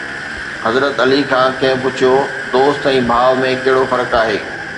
حضرت علي کان ڪنهن پڇيو: دوست ۽ ڀاءُ ۾ ڪهڙو فرق آهي؟